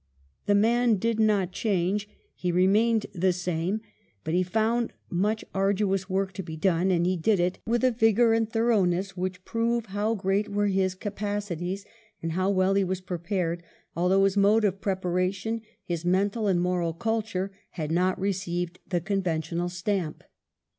The man did not change; he remained the same; but he found much arduous work to be done, and he did it with a vigour and thoroughness which prove how great were his capacities, and how well he was prepared, although his mode of preparation, his mental and moral culture, had not received the conventional stamp.